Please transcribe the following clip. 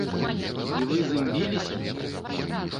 І вы з ім біліся?